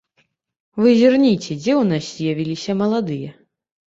Вы зірніце, дзе ў нас з'явіліся маладыя.